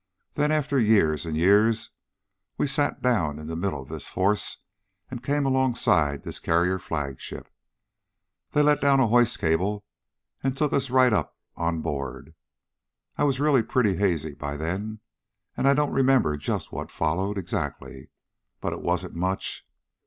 Then after years and years we sat down in the middle of this force and came alongside this carrier flagship. They let down a hoist cable and took us right up on board. I really was pretty hazy by then, and I don't remember just what followed, exactly. But it wasn't much.